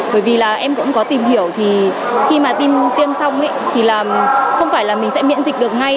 bởi vì là em cũng có tìm hiểu thì khi mà tim tiêm xong thì là không phải là mình sẽ miễn dịch được ngay